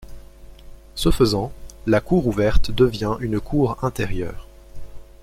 Ce faisant, la cour ouverte devient une cour intérieure.